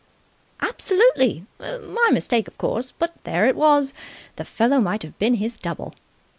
"Absolutely! My mistake, of course, but there it was. The fellow might have been his double."